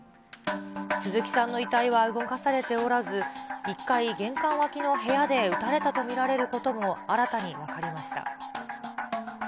鈴木さんの遺体は動かされておらず、１階玄関脇の部屋で撃たれたと見られることも新たに分かりました。